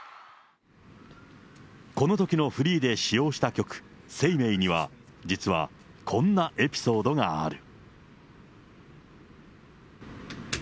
このときのフリーで使用した曲、ＳＥＩＭＥＩには実はこんなエピソードがある。